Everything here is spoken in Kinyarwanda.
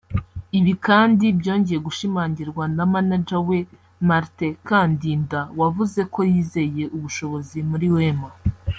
Ibi kandi byongeye gushimangirwa na manager we Martin Kadinda wavuze ko yizeye ubushobozi muri Wema